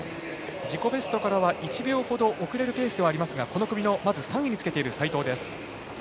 自己ベストからは１秒ほど遅れるペースではありますがこの組の３位につけている齋藤。